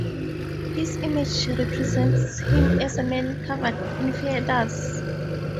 His image represents him as a man covered in feathers.